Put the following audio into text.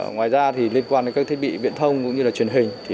ngoài ra liên quan đến các thiết bị viện thông cũng như truyền hình